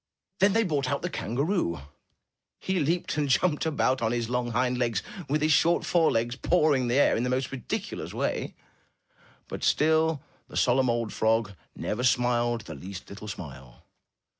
Then they brought out the kangaroo. He leaped and jumped about on his long hind legs, with his short forelegs pawing the air in the most ridiculous way, but still the solemn old frog never smiled the least little smile.